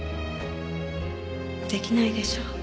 出来ないでしょ？